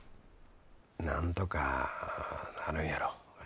なんとかなるんやろ。